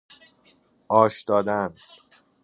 آش دادن